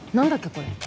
これ。